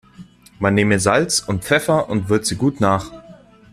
Man nehme Salz und Pfeffer und würze gut nach.